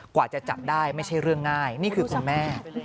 กว่าจะจับได้ไม่ใช่เรื่องง่ายนี่คือคุณแม่